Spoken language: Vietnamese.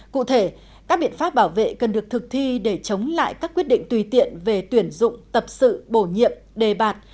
cụ thể các biện pháp bảo vệ cần được thực thi để chống lại các quyết định tùy tiện về tuyển dụng tập sự bổ nhiệm đề bạt